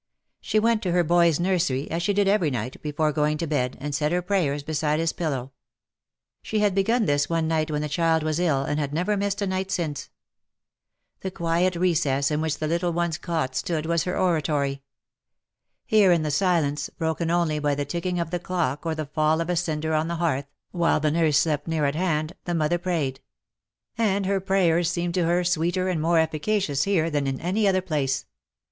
She went to her boy's nursery, as she did every night, before going to bed, and said her prayers beside his pillow. She had begun this one night when the child was ill, and had never missed a night since. That quiet recess in which the little "and time is setting wi' me, o." 285 one^s cot stood was her oratory. Here, in the silence, broken only by the ticking of the clock or the fall of a cinder on the hearth, while the nurse slept near at hand^ the mother prayed ; and her prayers seemed to her sweeter and more efficacious here than in any other place.